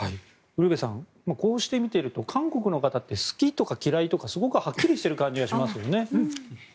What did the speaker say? ウルヴェさんこうして見ていると韓国の方って好きとか嫌いとかすごくはっきりしてる感じがしますよね。